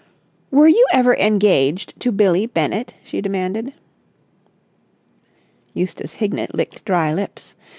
"Were you ever engaged to Billie Bennett?" she demanded. Eustace Hignett licked dry lips.